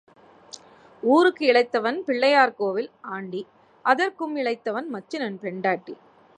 ஊருக்கு இளைத்தவன் பிள்ளையார் கோவில் ஆண்டி அதற்கும் இளைத்தவன் மச்சினன் பெண்டாட்டி.